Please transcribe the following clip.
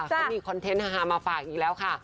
เขามีคอนเทนต์ฮามาฝากอีกแล้วค่ะ